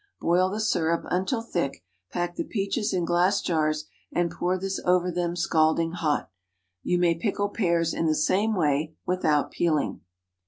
Boil the syrup until thick, pack the peaches in glass jars, and pour this over them scalding hot. You may pickle pears in the same way without peeling.